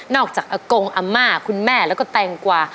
นอกจากกงอร์อาม่าคุณแม่แล้วก็แตงกวา